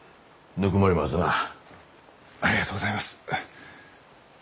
ありがとうございます。